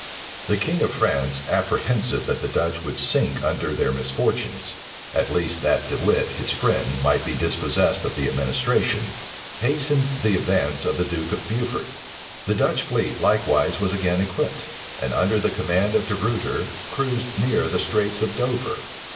The king of France, apprehensive that the Dutch would sink under their misfortunes, at least that De Wit, his friend, might be dispossessed of the administration, hastened the advance of the duke of Beaufort. The Dutch fleet likewise was again equipped; and under the command of De Ruyter, cruised near the Straits of Dover.